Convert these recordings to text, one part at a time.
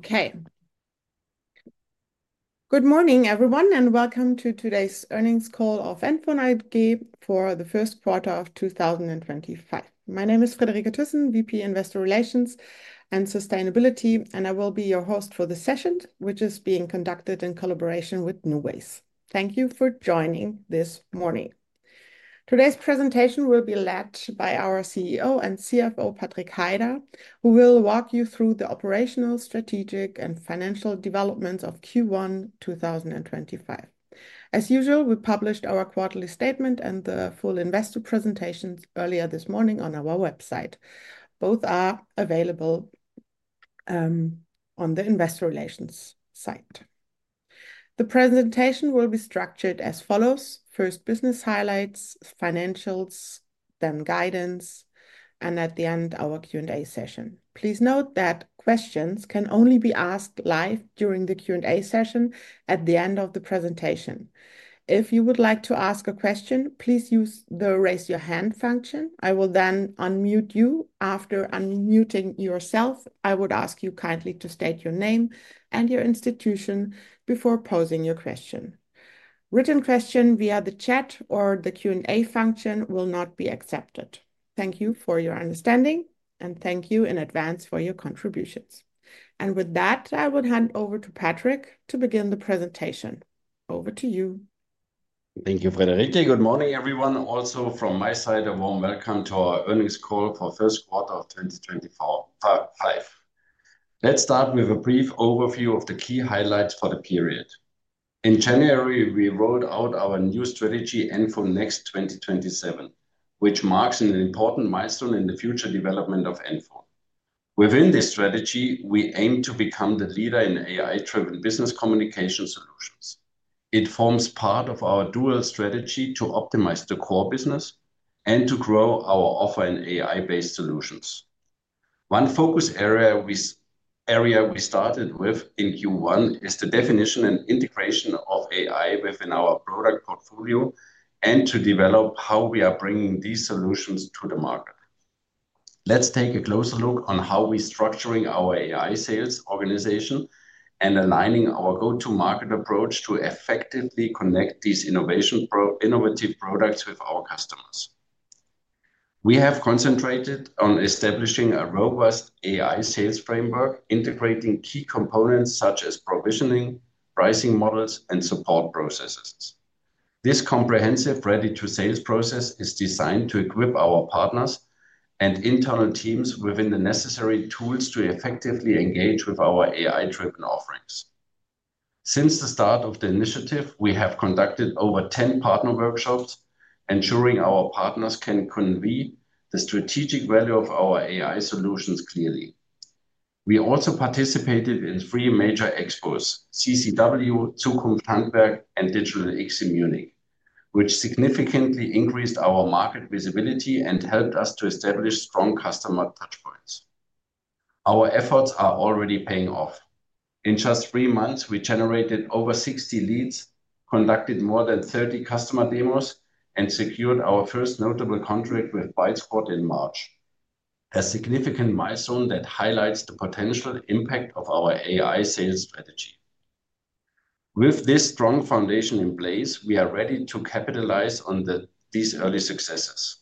Okay. Good morning, everyone, and welcome to today's earnings call of NFON AG for the first quarter of 2025. My name is Friederike Thyssen, VP Investor Relations and Sustainability, and I will be your host for the session, which is being conducted in collaboration with NEWWAYS. Thank you for joining this morning. Today's presentation will be led by our CEO and CFO, Patrick Heider, who will walk you through the operational, strategic, and financial developments of Q1 2025. As usual, we published our quarterly statement and the full investor presentations earlier this morning on our website. Both are available on the Investor Relations site. The presentation will be structured as follows: first, business highlights, financials, then guidance, and at the end, our Q&A session. Please note that questions can only be asked live during the Q&A session at the end of the presentation. If you would like to ask a question, please use the raise-your-hand function. I will then unmute you. After unmuting yourself, I would ask you kindly to state your name and your institution before posing your question. Written questions via the chat or the Q&A function will not be accepted. Thank you for your understanding, and thank you in advance for your contributions. With that, I would hand over to Patrik to begin the presentation. Over to you. Thank you, Friederike. Good morning, everyone. Also, from my side, a warm welcome to our earnings call for the first quarter of 2025. Let's start with a brief overview of the key highlights for the period. In January, we rolled out our new strategy, NFON Next 2027, which marks an important milestone in the future development of NFON. Within this strategy, we aim to become the leader in AI-driven business communication solutions. It forms part of our dual strategy to optimize the core business and to grow our offer in AI-based solutions. One focus area we started with in Q1 is the definition and integration of AI within our product portfolio and to develop how we are bringing these solutions to the market. Let's take a closer look on how we are structuring our AI sales organization and aligning our go-to-market approach to effectively connect these innovative products with our customers. We have concentrated on establishing a robust AI sales framework, integrating key components such as provisioning, pricing models, and support processes. This comprehensive ready-to-sales process is designed to equip our partners and internal teams with the necessary tools to effectively engage with our AI-driven offerings. Since the start of the initiative, we have conducted over 10 partner workshops, ensuring our partners can convey the strategic value of our AI solutions clearly. We also participated in three major expos: CCW, Zukunft Handwerk, and Digital X in Munich, which significantly increased our market visibility and helped us to establish strong customer touchpoints. Our efforts are already paying off. In just three months, we generated over 60 leads, conducted more than 30 customer demos, and secured our first notable contract with bytesquad in March, a significant milestone that highlights the potential impact of our AI sales strategy. With this strong foundation in place, we are ready to capitalize on these early successes.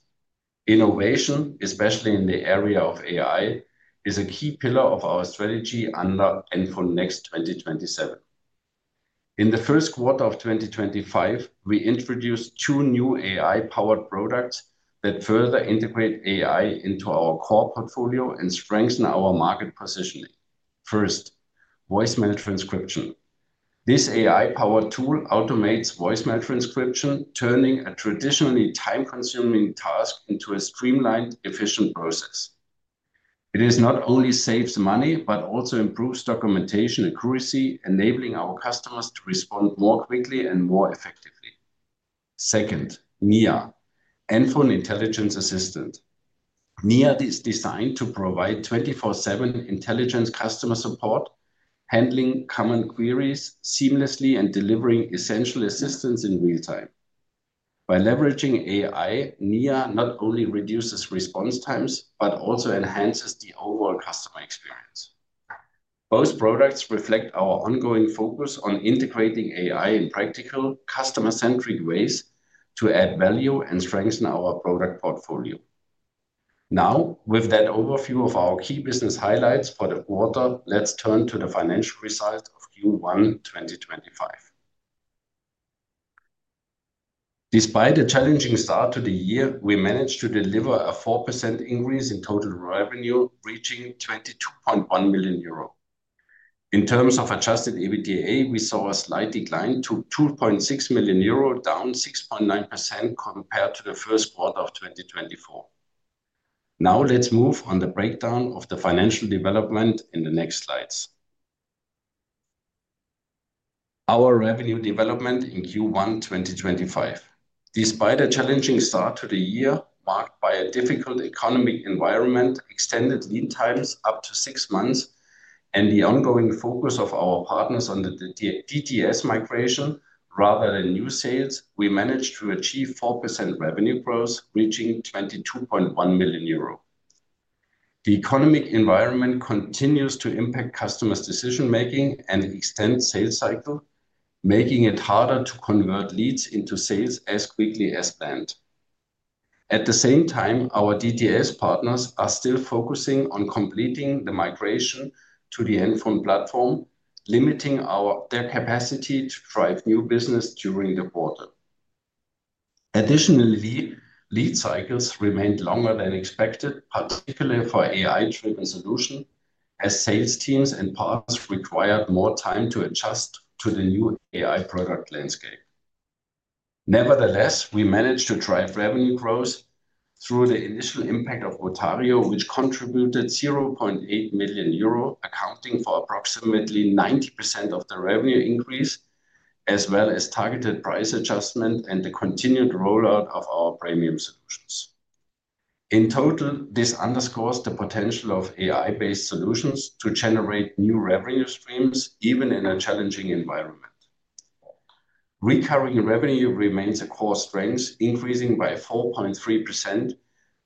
Innovation, especially in the area of AI, is a key pillar of our strategy under NFON Next 2027. In the first quarter of 2025, we introduced two new AI-powered products that further integrate AI into our core portfolio and strengthen our market positioning. First, voicemail transcription. This AI-powered tool automates voicemail transcription, turning a traditionally time-consuming task into a streamlined, efficient process. It not only saves money, but also improves documentation accuracy, enabling our customers to respond more quickly and more effectively. Second, Nia, NFON Intelligence Assistant. Nia is designed to provide 24/7 intelligent customer support, handling common queries seamlessly and delivering essential assistance in real time. By leveraging AI, Nia not only reduces response times, but also enhances the overall customer experience. Both products reflect our ongoing focus on integrating AI in practical, customer-centric ways to add value and strengthen our product portfolio. Now, with that overview of our key business highlights for the quarter, let's turn to the financial results of Q1 2025. Despite a challenging start to the year, we managed to deliver a 4% increase in total revenue, reaching 22.1 million euro. In terms of adjusted EBITDA, we saw a slight decline to 2.6 million euro, down 6.9% compared to the first quarter of 2024. Now, let's move on to the breakdown of the financial development in the next slides. Our revenue development in Q1 2025, despite a challenging start to the year marked by a difficult economic environment, extended lead times up to six months, and the ongoing focus of our partners on the DTS migration rather than new sales, we managed to achieve 4% revenue growth, reaching 22.1 million euro. The economic environment continues to impact customers' decision-making and extend sales cycle, making it harder to convert leads into sales as quickly as planned. At the same time, our DTS partners are still focusing on completing the migration to the NFON platform, limiting their capacity to drive new business during the quarter. Additionally, lead cycles remained longer than expected, particularly for AI-driven solutions, as sales teams and partners required more time to adjust to the new AI product landscape. Nevertheless, we managed to drive revenue growth through the initial impact of botario, which contributed 0.8 million euro, accounting for approximately 90% of the revenue increase, as well as targeted price adjustment and the continued rollout of our premium solutions. In total, this underscores the potential of AI-based solutions to generate new revenue streams, even in a challenging environment. Recurring revenue remains a core strength, increasing by 4.3%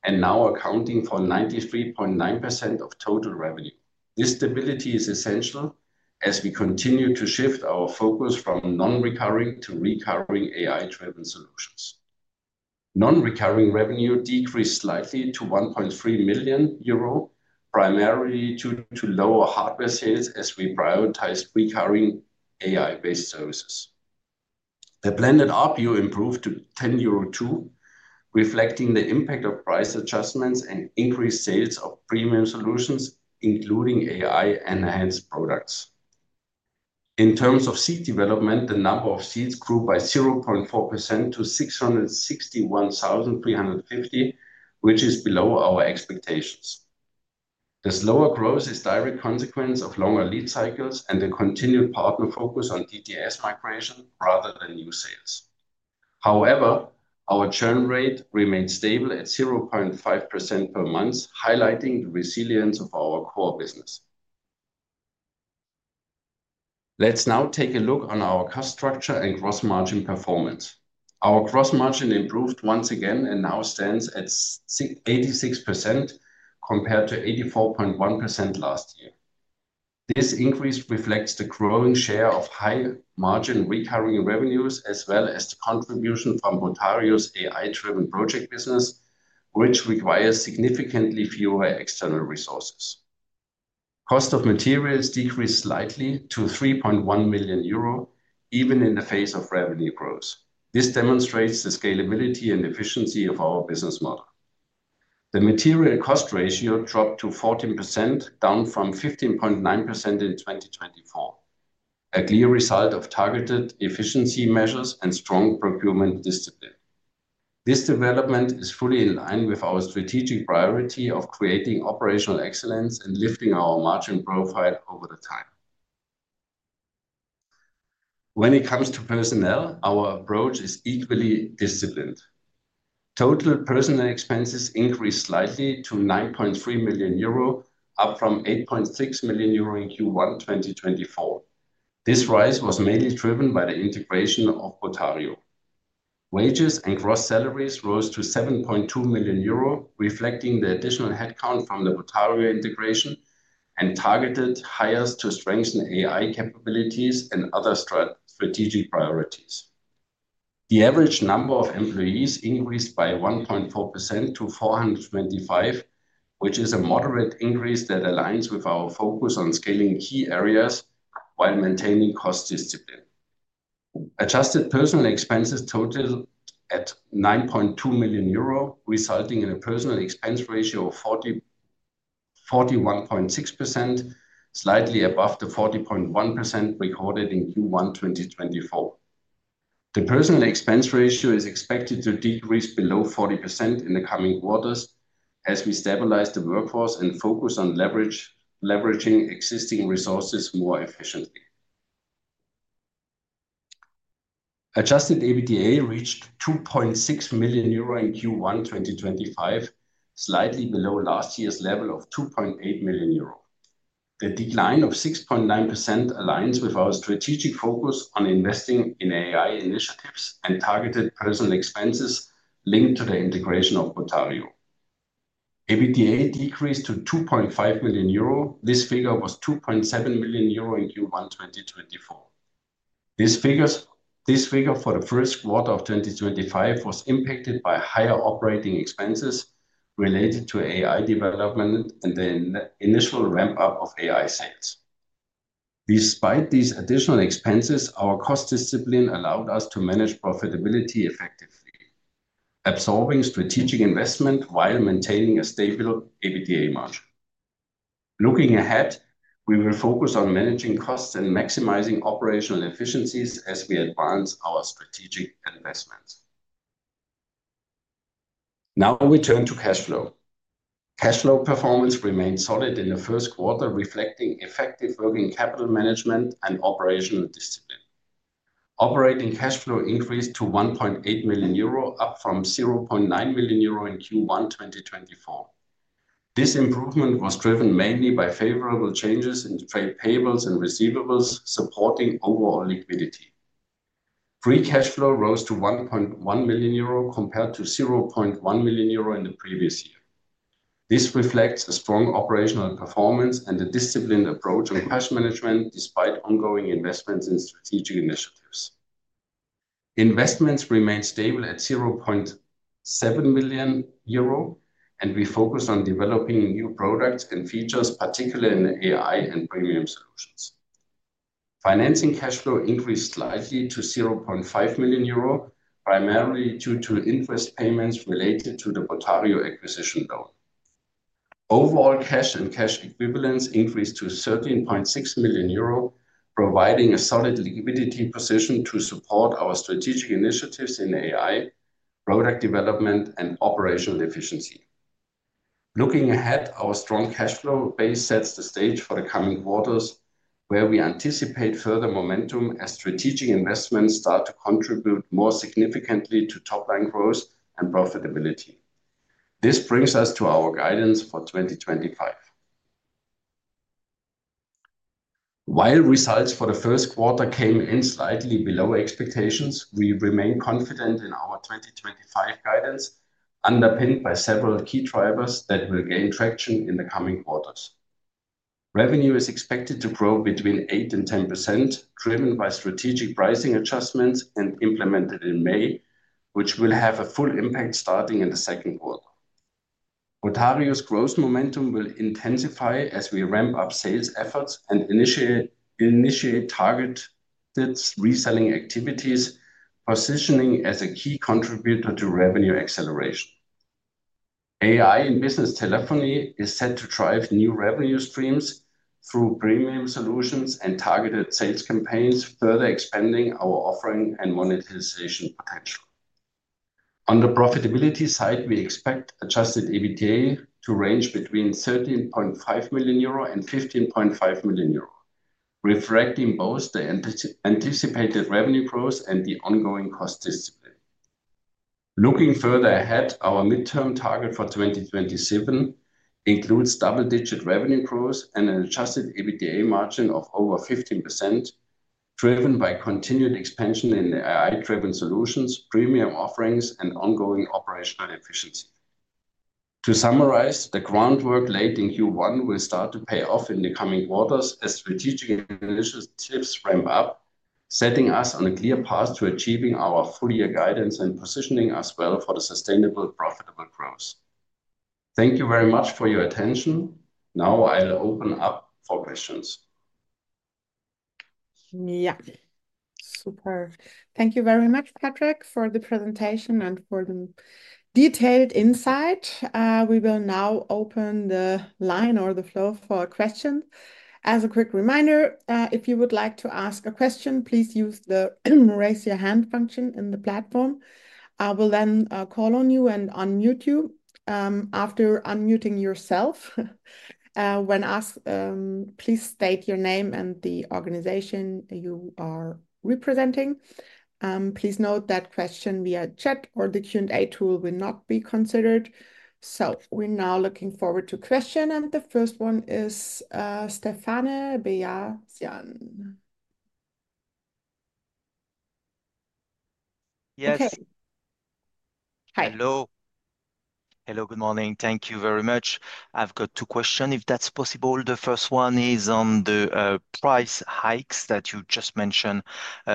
and now accounting for 93.9% of total revenue. This stability is essential as we continue to shift our focus from non-recurring to recurring AI-driven solutions. Non-recurring revenue decreased slightly to 1.3 million euro, primarily due to lower hardware sales as we prioritized recurring AI-based services. The blended ARPU improved to 10.02 million euro, reflecting the impact of price adjustments and increased sales of premium solutions, including AI-enhanced products. In terms of seat development, the number of seats grew by 0.4% to 661,350, which is below our expectations. The slower growth is a direct consequence of longer lead cycles and the continued partner focus on DTS migration rather than new sales. However, our churn rate remained stable at 0.5% per month, highlighting the resilience of our core business. Let's now take a look at our cost structure and gross margin performance. Our gross margin improved once again and now stands at 86% compared to 84.1% last year. This increase reflects the growing share of high-margin recurring revenues, as well as the contribution from botario's AI-driven project business, which requires significantly fewer external resources. Cost of materials decreased slightly to 3.1 million euro, even in the face of revenue growth. This demonstrates the scalability and efficiency of our business model. The material cost ratio dropped to 14%, down from 15.9% in 2024, a clear result of targeted efficiency measures and strong procurement discipline. This development is fully in line with our strategic priority of creating operational excellence and lifting our margin profile over time. When it comes to personnel, our approach is equally disciplined. Total personnel expenses increased slightly to 9.3 million euro, up from 8.6 million euro in Q1 2024. This rise was mainly driven by the integration of botario. Wages and gross salaries rose to 7.2 million euro, reflecting the additional headcount from the botario integration and targeted hires to strengthen AI capabilities and other strategic priorities. The average number of employees increased by 1.4% to 425, which is a moderate increase that aligns with our focus on scaling key areas while maintaining cost discipline. Adjusted personnel expenses totaled at 9.2 million euro, resulting in a personnel expense ratio of 41.6%, slightly above the 40.1% recorded in Q1 2024. The personnel expense ratio is expected to decrease below 40% in the coming quarters as we stabilize the workforce and focus on leveraging existing resources more efficiently. Adjusted EBITDA reached 2.6 million euro in Q1 2025, slightly below last year's level of 2.8 million euro. The decline of 6.9% aligns with our strategic focus on investing in AI initiatives and targeted personnel expenses linked to the integration of botario. EBITDA decreased to 2.5 million euro. This figure was 2.7 million euro in Q1 2024. This figure for the first quarter of 2025 was impacted by higher operating expenses related to AI development and the initial ramp-up of AI sales. Despite these additional expenses, our cost discipline allowed us to manage profitability effectively, absorbing strategic investment while maintaining a stable EBITDA margin. Looking ahead, we will focus on managing costs and maximizing operational efficiencies as we advance our strategic investments. Now we turn to cash flow. Cash flow performance remained solid in the first quarter, reflecting effective working capital management and operational discipline. Operating cash flow increased to 1.8 million euro, up from 0.9 million euro in Q1 2024. This improvement was driven mainly by favorable changes in trade payables and receivables, supporting overall liquidity. Free cash flow rose to 1.1 million euro compared to 0.1 million euro in the previous year. This reflects a strong operational performance and a disciplined approach on cash management, despite ongoing investments in strategic initiatives. Investments remained stable at 0.7 million euro, and we focused on developing new products and features, particularly in AI and premium solutions. Financing cash flow increased slightly to 0.5 million euro, primarily due to interest payments related to the botario acquisition loan. Overall cash and cash equivalents increased to 13.6 million euro, providing a solid liquidity position to support our strategic initiatives in AI product development and operational efficiency. Looking ahead, our strong cash flow base sets the stage for the coming quarters, where we anticipate further momentum as strategic investments start to contribute more significantly to top-line growth and profitability. This brings us to our guidance for 2025. While results for the first quarter came in slightly below expectations, we remain confident in our 2025 guidance, underpinned by several key drivers that will gain traction in the coming quarters. Revenue is expected to grow between 8% and 10%, driven by strategic pricing adjustments implemented in May, which will have a full impact starting in the second quarter. Botario's growth momentum will intensify as we ramp up sales efforts and initiate targeted reselling activities, positioning as a key contributor to revenue acceleration. AI in business telephony is set to drive new revenue streams through premium solutions and targeted sales campaigns, further expanding our offering and monetization potential. On the profitability side, we expect adjusted EBITDA to range between 13.5 million euro and 15.5 million euro, reflecting both the anticipated revenue growth and the ongoing cost discipline. Looking further ahead, our midterm target for 2027 includes double-digit revenue growth and an adjusted EBITDA margin of over 15%, driven by continued expansion in AI-driven solutions, premium offerings, and ongoing operational efficiency. To summarize, the groundwork laid in Q1 will start to pay off in the coming quarters as strategic initiatives ramp up, setting us on a clear path to achieving our full-year guidance and positioning us well for sustainable, profitable growth. Thank you very much for your attention. Now I'll open up for questions. Yeah, super. Thank you very much, Patrik, for the presentation and for the detailed insight. We will now open the line or the flow for questions. As a quick reminder, if you would like to ask a question, please use the raise-your-hand function in the platform. I will then call on you and unmute you. After unmuting yourself, when asked, please state your name and the organization you are representing. Please note that questions via chat or the Q&A tool will not be considered. We are now looking forward to questions. The first one is Stefane Beyazian. Yes. Okay. Hi. Hello. Hello. Good morning. Thank you very much. I've got two questions, if that's possible. The first one is on the price hikes that you just mentioned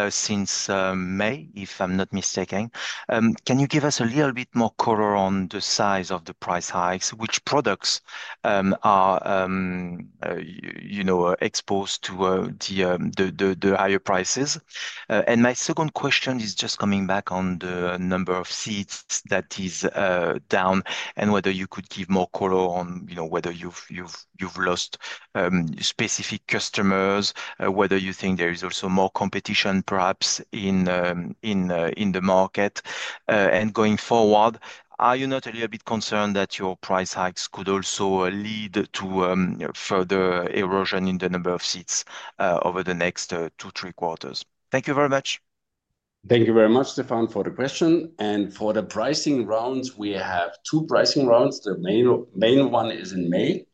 since May, if I'm not mistaken. Can you give us a little bit more color on the size of the price hikes? Which products are, you know, exposed to the higher prices? My second question is just coming back on the number of seats that is down and whether you could give more color on, you know, whether you've lost specific customers, whether you think there is also more competition, perhaps, in the market. Going forward, are you not a little bit concerned that your price hikes could also lead to further erosion in the number of seats over the next two, three quarters? Thank you very much. Thank you very much, Stefane, for the question. For the pricing rounds, we have two pricing rounds. The main one is in May.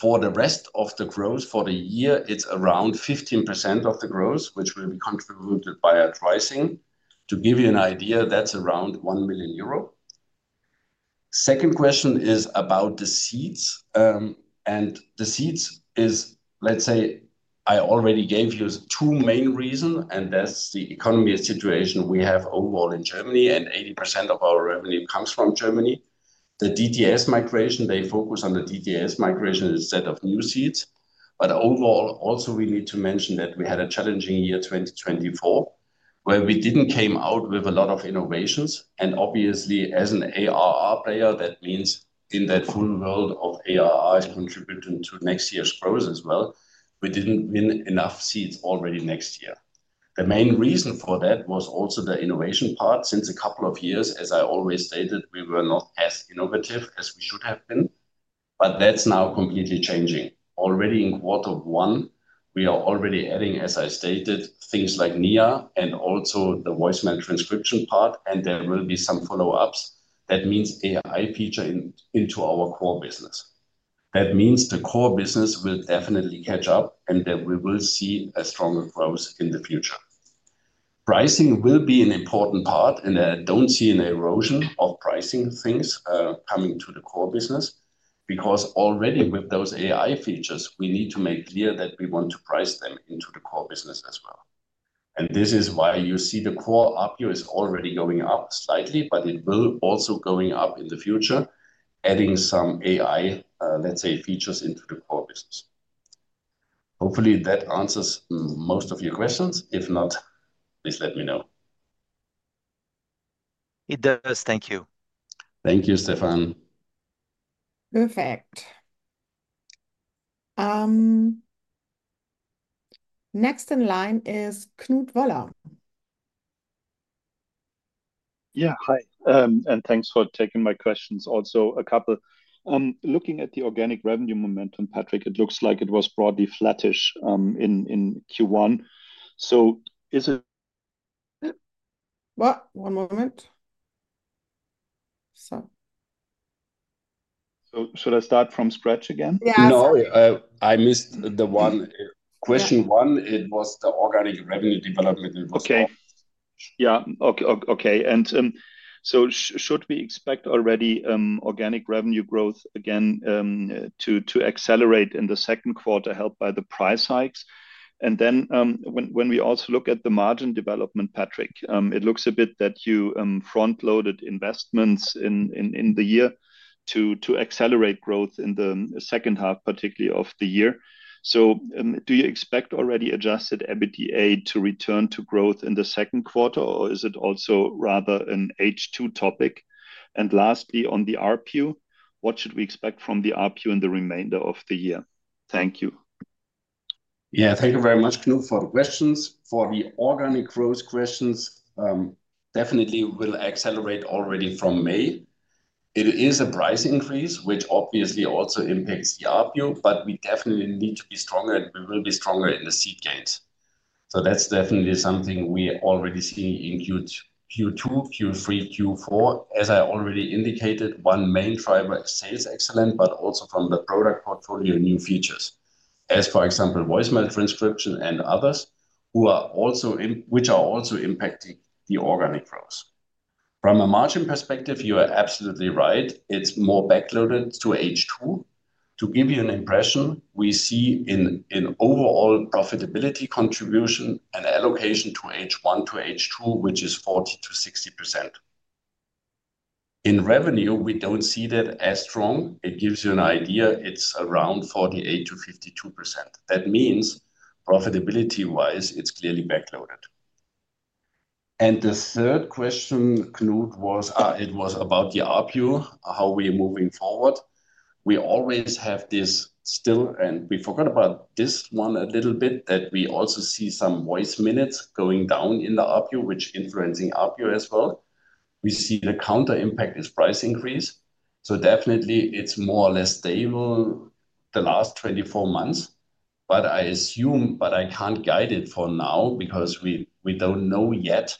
For the rest of the growth for the year, it's around 15% of the growth, which will be contributed by pricing. To give you an idea, that's around 1 million euro. Second question is about the seats. The seats is, let's say, I already gave you two main reasons, and that's the economy situation we have overall in Germany, and 80% of our revenue comes from Germany. The DTS migration, they focus on the DTS migration instead of new seats. Overall, also, we need to mention that we had a challenging year 2024, where we didn't come out with a lot of innovations. Obviously, as an ARR player, that means in that full world of ARR contributing to next year's growth as well, we didn't win enough seats already next year. The main reason for that was also the innovation part. Since a couple of years, as I always stated, we were not as innovative as we should have been, but that's now completely changing. Already in quarter one, we are already adding, as I stated, things like Nia and also the voicemail transcription part, and there will be some follow-ups. That means AI features into our core business. That means the core business will definitely catch up, and we will see a stronger growth in the future. Pricing will be an important part, and I do not see an erosion of pricing things coming to the core business because already with those AI features, we need to make clear that we want to price them into the core business as well. This is why you see the core API is already going up slightly, but it will also go up in the future, adding some AI, let's say, features into the core business. Hopefully, that answers most of your questions. If not, please let me know. It does. Thank you. Thank you, Stefane. Perfect. Next in line is Knut Woller. Yeah, hi. Thanks for taking my questions. Also, a couple. Looking at the organic revenue momentum, Patrik, it looks like it was broadly flattish in Q1. Is it? One moment. Should I start from scratch again? Yeah. No, I missed the one question. One, it was the organic revenue development. Okay. Should we expect already organic revenue growth again to accelerate in the second quarter, helped by the price hikes? When we also look at the margin development, Patrick, it looks a bit that you front-loaded investments in the year to accelerate growth in the second half, particularly of the year. Do you expect already adjusted EBITDA to return to growth in the second quarter, or is it also rather an H2 topic? Lastly, on the ARPU, what should we expect from the ARPU in the remainder of the year? Thank you. Yeah, thank you very much, Knut, for the questions. For the organic growth questions, definitely will accelerate already from May. It is a price increase, which obviously also impacts the ARPU, but we definitely need to be stronger, and we will be stronger in the seat gains. That is definitely something we already see in Q2, Q3, Q4. As I already indicated, one main driver is sales excellence, but also from the product portfolio, new features, as for example, voicemail transcription and others, which are also impacting the organic growth. From a margin perspective, you are absolutely right. It is more backloaded to H2. To give you an impression, we see in overall profitability contribution an allocation to H1 to H2, which is 40%-60%. In revenue, we do not see that as strong. It gives you an idea. It is around 48%-52%. That means profitability-wise, it is clearly backloaded. The third question, Knut, was about the ARPU, how we are moving forward. We always have this still, and we forgot about this one a little bit, that we also see some voice minutes going down in the ARPU, which is influencing ARPU as well. We see the counter impact is price increase. Definitely, it is more or less stable the last 24 months, but I assume, but I cannot guide it for now because we do not know yet.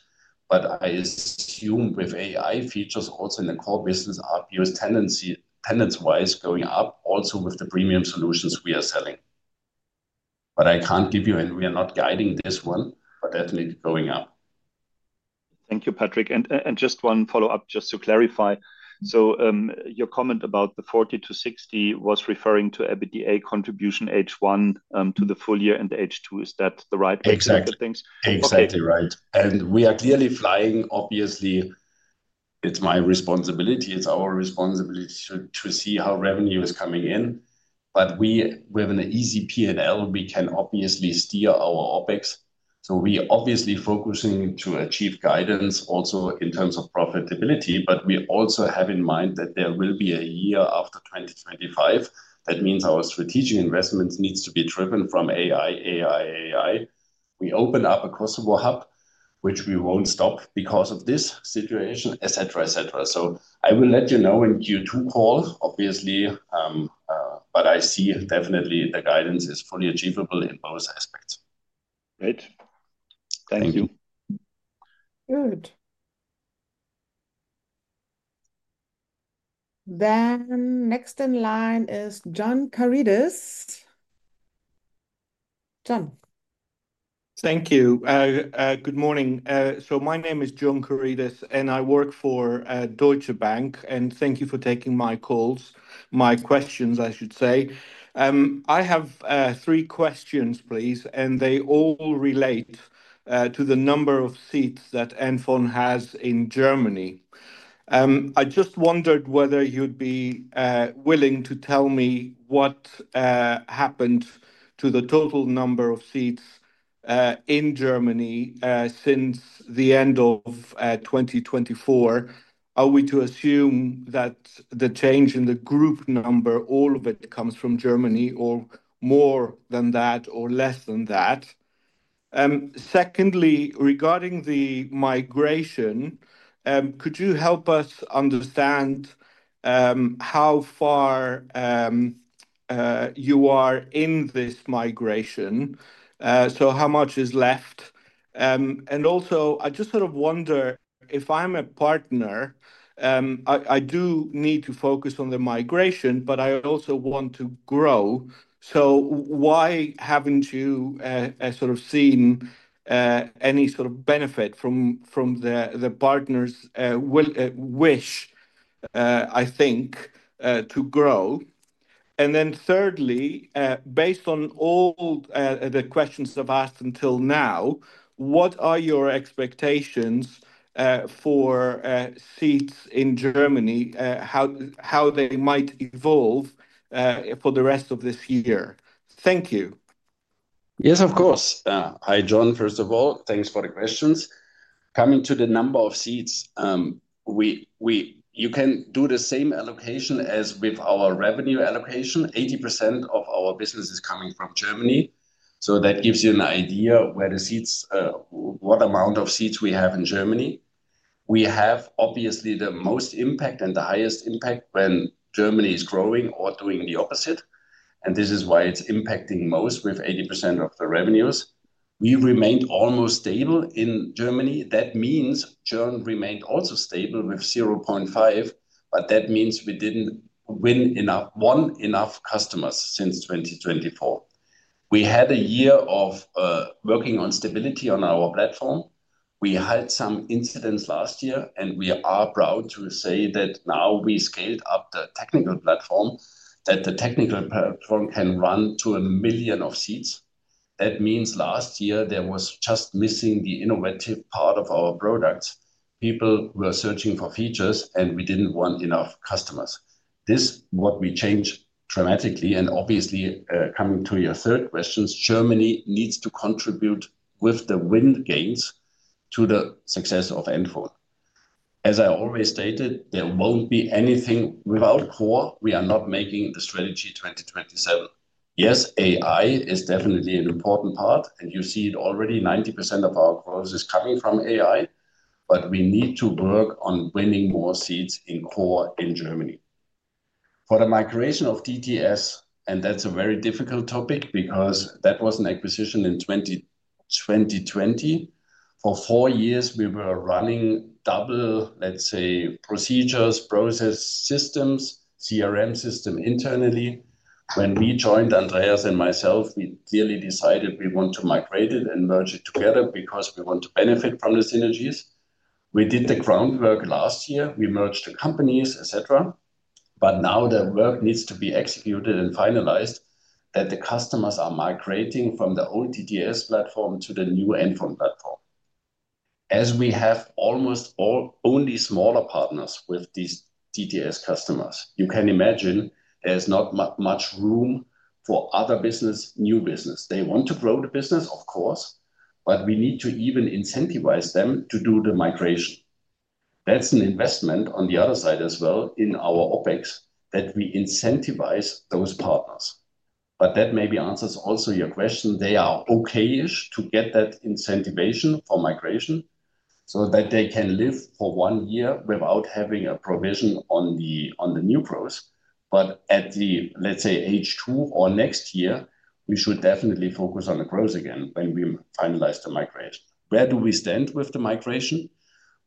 I assume with AI features also in the core business, ARPU is tendency-wise going up, also with the premium solutions we are selling. I cannot give you, and we are not guiding this one, but definitely going up. Thank you, Patrik. Just one follow-up, just to clarify. Your comment about the 40%-60% was referring to EBITDA contribution H1 to the full year and H2. Is that the right way to look at things? Exactly. Exactly right. We are clearly flying. Obviously, it's my responsibility. It's our responsibility to see how revenue is coming in. With an easy P&L, we can obviously steer our OpEx. We are obviously focusing to achieve guidance also in terms of profitability, but we also have in mind that there will be a year after 2025. That means our strategic investments need to be driven from AI, AI, AI. We open up a Kosovo hub, which we won't stop because of this situation, etc., etc. I will let you know in Q2 call, obviously, but I see definitely the guidance is fully achievable in those aspects. Great. Thank you. Good. Next in line is John Carides. Thank you. Good morning. My name is John Carides, and I work for Deutsche Bank. Thank you for taking my questions. I have three questions, please, and they all relate to the number of seats that NFON has in Germany. I just wondered whether you'd be willing to tell me what happened to the total number of seats in Germany since the end of 2024. Are we to assume that the change in the group number, all of it comes from Germany or more than that or less than that? Secondly, regarding the migration, could you help us understand how far you are in this migration? How much is left? I just sort of wonder if I'm a partner, I do need to focus on the migration, but I also want to grow. Why haven't you sort of seen any sort of benefit from the partners' wish, I think, to grow? Thirdly, based on all the questions I've asked until now, what are your expectations for seats in Germany, how they might evolve for the rest of this year? Thank you. Yes, of course. Hi, John. First of all, thanks for the questions. Coming to the number of seats, you can do the same allocation as with our revenue allocation. 80% of our business is coming from Germany. That gives you an idea where the seats, what amount of seats we have in Germany. We have obviously the most impact and the highest impact when Germany is growing or doing the opposite. This is why it's impacting most with 80% of the revenues. We remained almost stable in Germany. That means Germany remained also stable with 0.5%, but that means we did not win enough, won enough customers since 2024. We had a year of working on stability on our platform. We had some incidents last year, and we are proud to say that now we scaled up the technical platform, that the technical platform can run to a million seats. That means last year there was just missing the innovative part of our products. People were searching for features, and we did not win enough customers. This is what we changed dramatically. Obviously, coming to your third question, Germany needs to contribute with the wind gains to the success of NFON. As I always stated, there will not be anything without core. We are not making the strategy 2027. Yes, AI is definitely an important part, and you see it already. 90% of our growth is coming from AI, but we need to work on winning more seats in core in Germany. For the migration of DTS, and that is a very difficult topic because that was an acquisition in 2020. For four years, we were running double, let's say, procedures, process systems, CRM system internally. When we joined, Andreas and myself, we clearly decided we want to migrate it and merge it together because we want to benefit from the synergies. We did the groundwork last year. We merged the companies, etc. Now the work needs to be executed and finalized that the customers are migrating from the old DTS platform to the new NFON platform. As we have almost only smaller partners with these DTS customers, you can imagine there's not much room for other business, new business. They want to grow the business, of course, but we need to even incentivize them to do the migration. That's an investment on the other side as well in our OpEx that we incentivize those partners. That maybe answers also your question. They are okay-ish to get that incentivation for migration so that they can live for one year without having a provision on the new growth. At the, let's say, H2 or next year, we should definitely focus on the growth again when we finalize the migration. Where do we stand with the migration?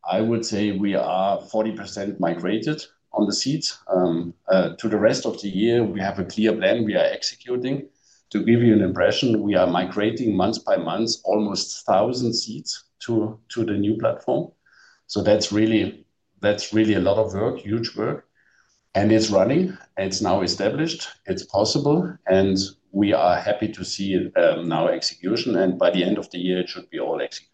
I would say we are 40% migrated on the seats. To the rest of the year, we have a clear plan we are executing. To give you an impression, we are migrating month by month, almost 1,000 seats to the new platform. That is really a lot of work, huge work. It is running. It is now established. It is possible. We are happy to see now execution. By the end of the year, it should be all executed.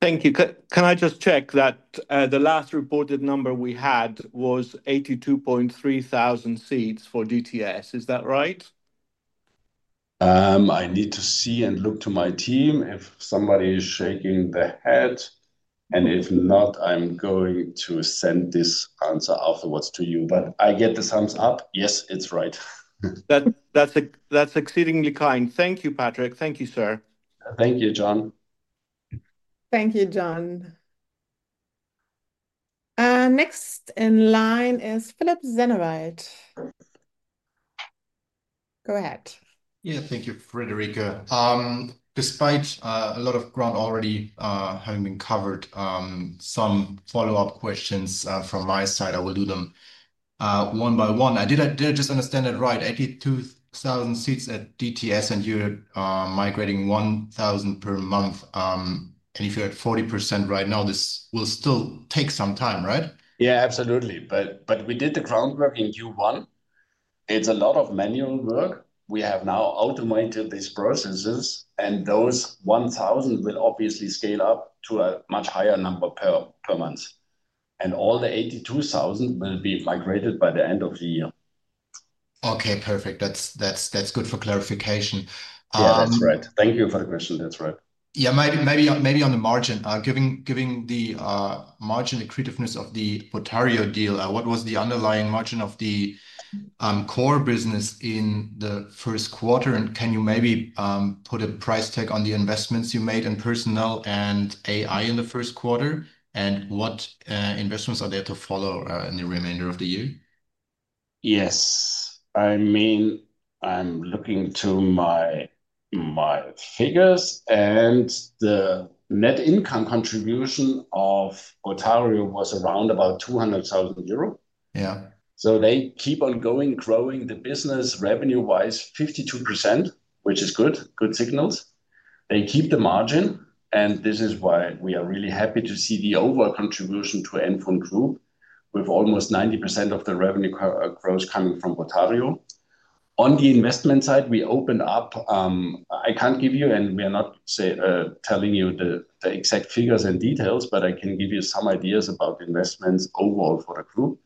Thank you. Can I just check that the last reported number we had was 82,300 seats for DTS? Is that right? I need to see and look to my team if somebody is shaking their head. If not, I am going to send this answer afterwards to you. I get the thumbs up. Yes, it is right. That is exceedingly kind. Thank you, Patrik. Thank you, sir. Thank you, John. Thank you, John. Next in line is Phillip Zennewald. Go ahead. Yeah, thank you, Friederike. Despite a lot of ground already having been covered, some follow-up questions from my side, I will do them one by one. Did I just understand that right? 82,000 seats at DTS and you're migrating 1,000 per month. If you're at 40% right now, this will still take some time, right? Yeah, absolutely. We did the groundwork in Q1. It's a lot of manual work. We have now automated these processes, and those 1,000 will obviously scale up to a much higher number per month. All the 82,000 will be migrated by the end of the year. Okay, perfect. That's good for clarification. Yeah, that's right. Thank you for the question. That's right. Maybe on the margin, given the margin accretiveness of the botario deal, what was the underlying margin of the core business in the first quarter? Can you maybe put a price tag on the investments you made in personnel and AI in the first quarter? What investments are there to follow in the remainder of the year? Yes. I mean, I'm looking to my figures, and the net income contribution of botario was around 200,000 euro. They keep on going, growing the business revenue-wise 52%, which is good, good signals. They keep the margin, and this is why we are really happy to see the overall contribution to NFON Group with almost 90% of the revenue growth coming from botario. On the investment side, we opened up, I can't give you, and we are not telling you the exact figures and details, but I can give you some ideas about investments overall for the group.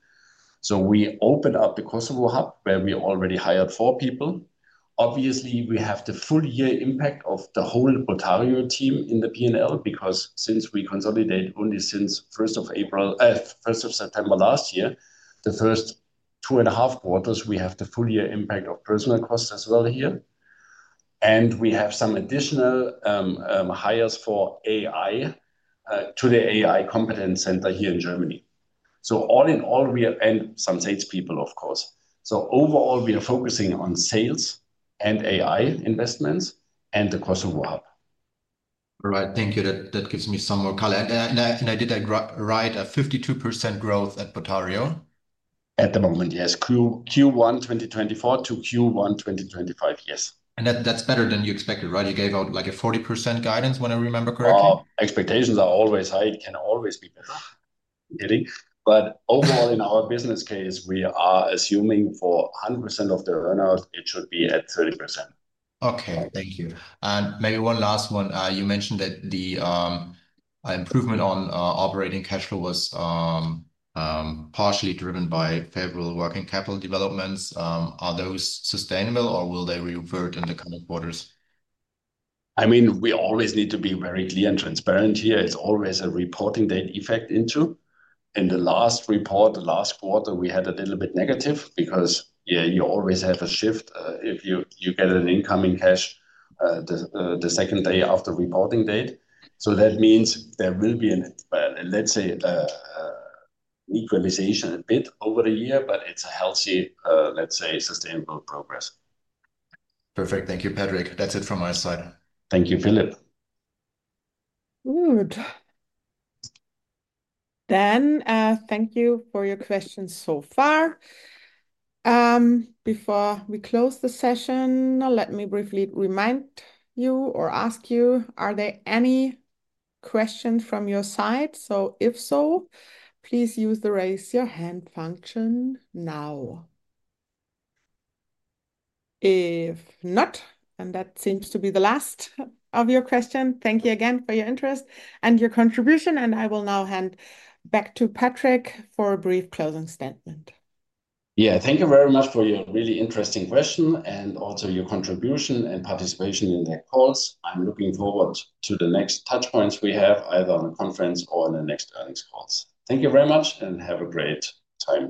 We opened up the Kosovo hub where we already hired four people. Obviously, we have the full year impact of the whole botario team in the P&L because since we consolidate only since 1st of September last year, the first two and a half quarters, we have the full year impact of personnel costs as well here. And we have some additional hires for AI to the AI competence center here in Germany. All in all, we are and some salespeople, of course. Overall, we are focusing on sales and AI investments and the Kosovo hub. All right. Thank you. That gives me some more color. I did write a 52% growth at botario. At the moment, yes. Q1 2024 to Q1 2025, yes. That is better than you expected, right? You gave out like a 40% guidance when I remember correctly. Expectations are always high. It can always be better. Overall, in our business case, we are assuming for 100% of the earnouts, it should be at 30%. Okay, thank you. Maybe one last one. You mentioned that the improvement on operating cash flow was partially driven by favorable working capital developments. Are those sustainable, or will they revert in the coming quarters? I mean, we always need to be very clear and transparent here. It is always a reporting date effect. In the last report, the last quarter, we had a little bit negative because, yeah, you always have a shift if you get an incoming cash the second day after reporting date. That means there will be an, let's say, equalization a bit over the year, but it is a healthy, let's say, sustainable progress. Perfect. Thank you, Patrik. That is it from my side. Thank you, Phillip. Good. Thank you for your questions so far. Before we close the session, let me briefly remind you or ask you, are there any questions from your side? If so, please use the raise-your-hand function now. If not, and that seems to be the last of your question, thank you again for your interest and your contribution. I will now hand back to Patrik for a brief closing statement. Yeah, thank you very much for your really interesting question and also your contribution and participation in the calls. I'm looking forward to the next touchpoints we have either on the conference or in the next earnings calls. Thank you very much and have a great time.